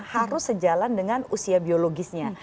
harus sejalan dengan usia biologisnya